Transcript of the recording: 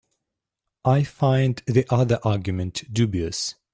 I find the other argument dubious.